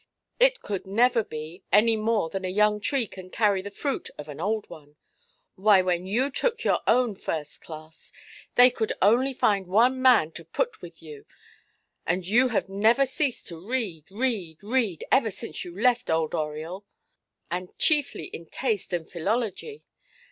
It could never be, any more than a young tree can carry the fruit of an old one. Why, when you took your own first–class, they could only find one man to put with you, and you have never ceased to read, read, read, ever since you left old Oriel, and chiefly in taste and philology.